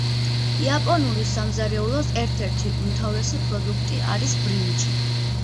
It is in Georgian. იაპონური სამზარეულოს ერთ-ერთი უმთავრესი პროდუქტი არის ბრინჯი.